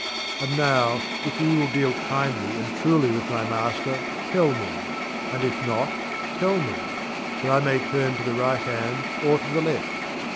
49And now if ye will deal kindly and truly with my master, tell me; and if not, tell me; that I may turn to the right hand, or to the left.'